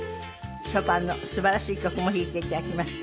ショパンの素晴らしい曲も弾いて頂きました。